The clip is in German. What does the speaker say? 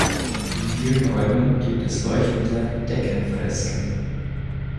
In vielen Räumen gibt es leuchtende Deckenfresken.